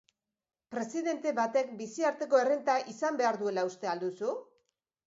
Presidente batek biziarteko errenta izan behar duela uste al duzu?